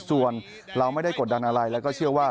ส่วนเราไม่ได้กดดันอะไรแล้วก็เชื่อว่า